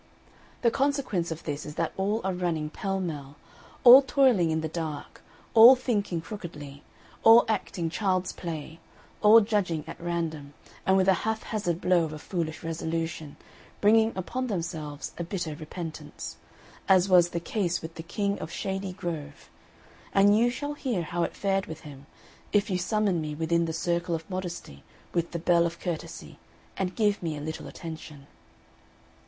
The consequence of this is that all are running pell mell, all toiling in the dark, all thinking crookedly, all acting child's play, all judging at random, and with a haphazard blow of a foolish resolution bringing upon themselves a bitter repentance; as was the case with the King of Shady Grove; and you shall hear how it fared with him if you summon me within the circle of modesty with the bell of courtesy, and give me a little attention.